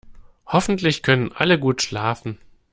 Hoffentlich können alle gut schlafen.